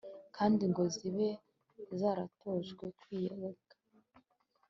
kandi ngo zibe zaratojwe kwiyanga